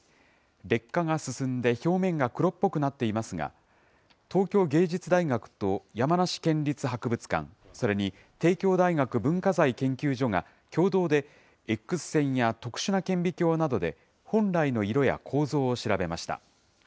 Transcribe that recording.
劣化が進んで、表面が黒っぽくなっていますが、東京芸術大学と山梨県立博物館、それに帝京大学文化財研究所が、共同でＸ線や特殊な顕微鏡などで本来の色や構造を調べました。